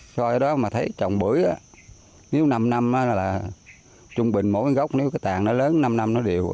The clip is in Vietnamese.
so với đó mà thấy trồng bưởi đó nếu năm năm là trung bình mỗi cái gốc nếu cái tàn nó lớn năm năm nó đều